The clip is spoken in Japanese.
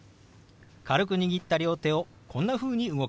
軽く握った両手をこんなふうに動かします。